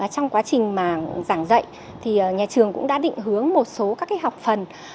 trong quá trình giảng dạy thì nhà trường cũng đã định hướng một số các học phần